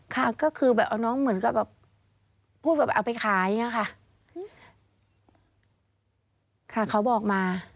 ค่ะก็คือแบบเอาน้องเหมือนกับแบบพูดแบบเอาไปขายอย่างเงี้ยค่ะค่ะเขาบอกมา